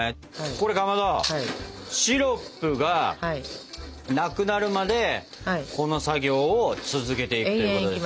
これかまどシロップがなくなるまでこの作業を続けていくということですね。